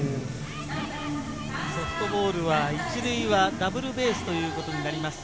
ソフトボールは１塁はダブルベースということになります。